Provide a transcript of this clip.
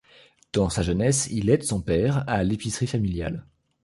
Dans sa jeunesse, il aide son père à l'épicerie familiale.